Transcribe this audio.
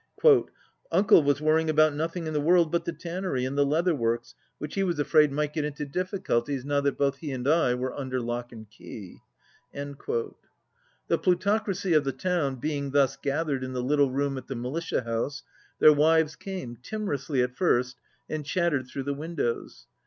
"Uncle was worrying about nothing in the world but the tannery and the leather works which he was afraid might get 74 into difficulties now that both he and I were un der lock and key." The plutocracy of the town being thus gathered in the little room at the militia house, their wives came, timorously at first, and chattered through the windows.